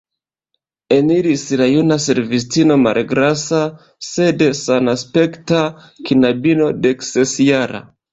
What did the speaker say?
Eniris la juna servistino, malgrasa, sed sanaspekta knabino deksesjara.